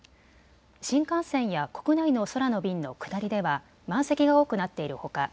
新幹線や国内の空の便の下りでは満席が多くなっているほか